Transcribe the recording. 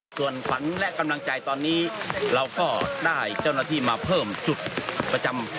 ส่วนขวัญและกำลังใจตอนนี้เราก็ได้เจ้าหน้าที่มาเพิ่มจุดประจำ